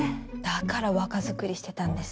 だから若作りしてたんですね。